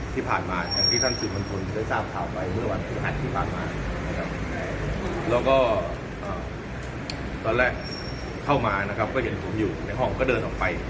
ที่ผ่านมาอย่างที่ท่านศึกมันทนได้ทราบข่าวไปเมื่อวันธุริจทั้ง